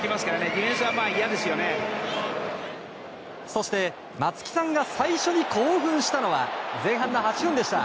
そして、松木さんが最初に興奮したのは前半の８分でした。